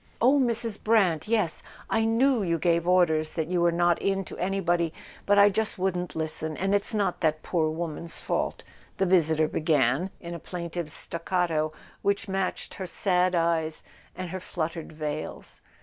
"Oh, Mrs. Brant—yes, I know you gave orders that you were not in to anybody, but I just wouldn't listen, and it's not that poor woman's fault," the visitor be¬ gan, in a plaintive staccato which matched her sad eyes and her fluttered veils.